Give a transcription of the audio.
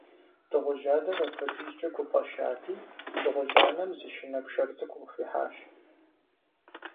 Дыгъужь адэр апхуэдизкӀэ гуфӀэщати, дыгъужь анэм зы щынэ пшэр цӀыкӀу къыхуихьащ.